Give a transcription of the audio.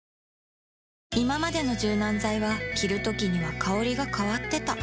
いままでの柔軟剤は着るときには香りが変わってた